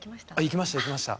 行きました行きました。